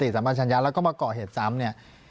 สังพันธ์ฉันยาแล้วก็มาเกาะเหตุซ้ำเนี่ย